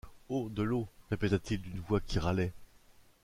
Oh! de l’eau? répéta-t-il d’une voix qui râlait.